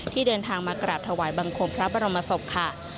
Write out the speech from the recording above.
เดินทางมากราบถวายบังคมพระบรมศพค่ะ